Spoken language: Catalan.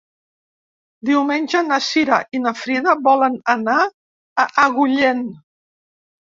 Diumenge na Cira i na Frida volen anar a Agullent.